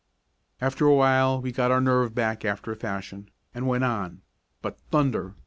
After a while we got our nerve back after a fashion, and went on, but, thunder!